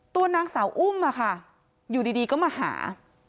ตัวนางสาวอุ้มอยู่ดีก็มาหา